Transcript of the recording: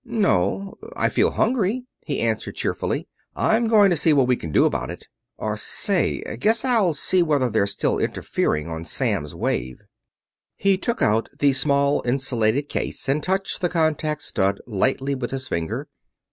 "No I feel hungry," he answered cheerfully. "I'm going to see what we can do about it or say, guess I'll see whether they're still interfering on Samms' wave." He took out the small, insulated case and touched the contact stud lightly with his finger.